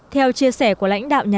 theo chia sẻ của lãnh đạo nhóm